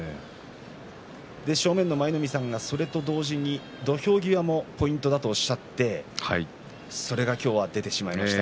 正面の舞の海さんがそれと同時に土俵際もポイントだとおっしゃっていました。